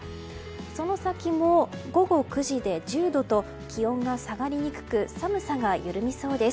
その先も午後９時で１０度と気温が下がりにくく寒さが緩みそうです。